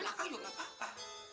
belakang lu gapapa